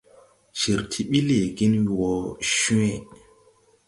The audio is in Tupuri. Cir ti ɓi lɛɛgen wɔ cwe.